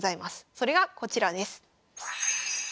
それがこちらです。